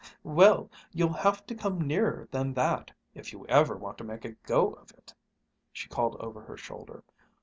"Well, you'll have to come nearer than that, if you ever want to make a go of it!" she called over her shoulder.